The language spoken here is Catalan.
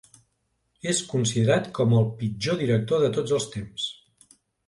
És considerat com el pitjor director de tots els temps.